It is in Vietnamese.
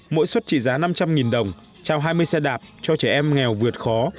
mỗi suất trị giá năm trăm linh đồng trao hai mươi xe đạp cho trẻ em nghèo vượt khó